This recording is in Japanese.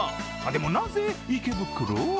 でも、なぜ池袋？